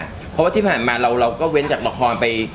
เพราะว่าที่ผ่านมาเราก็เว้นจากละครไป